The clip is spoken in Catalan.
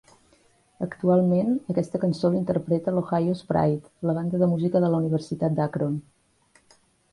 Actualment, aquesta cançó l'interpreta l'Ohio's Pride, la banda de música de la universitat d'Akron.